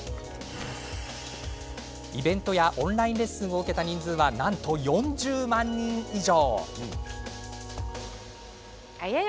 イベントやオンラインレッスンを受けた人数はなんと４０万人以上。